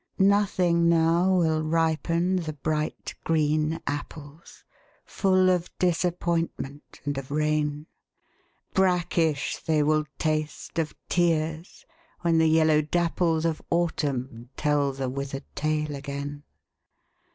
Nothing now will ripen the bright green apples, Full of disappointment and of rain, Brackish they will taste, of tears, when the yellow dapples Of Autumn tell the withered tale again.